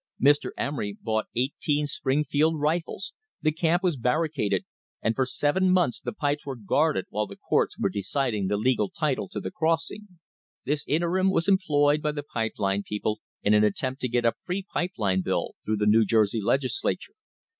Mr. Emery bought eighteen Springfield rifles, the camp was barricaded, and for seven months the pipes were guarded while the courts were deciding the legal title to the crossing. This interim was employed by the pipe line people in an attempt to get a free pipe line bill through the New Jersey Legislature.